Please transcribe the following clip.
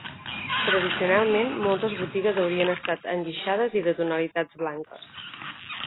Tradicionalment, moltes botigues haurien estat enguixades i de tonalitats blanques.